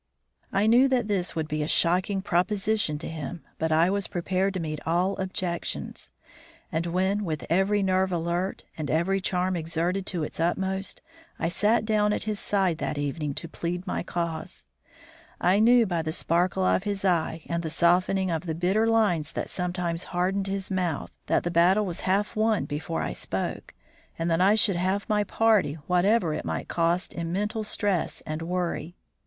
I knew that this would be a shocking proposition to him, but I was prepared to meet all objections; and when, with every nerve alert and every charm exerted to its utmost, I sat down at his side that evening to plead my cause, I knew by the sparkle of his eye and the softening of the bitter lines that sometimes hardened his mouth, that the battle was half won before I spoke, and that I should have my party whatever it might cost him in mental stress and worry.